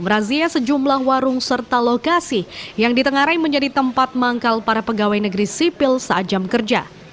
merazia sejumlah warung serta lokasi yang ditengarai menjadi tempat manggal para pegawai negeri sipil saat jam kerja